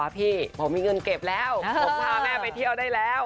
ผมเก็บแล้วผมพาแม่ไปเที่ยวได้แล้ว